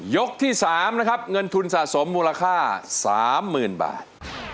ยกที่๓นะครับเงินทุนสะสมมูลค่า๓๐๐๐บาท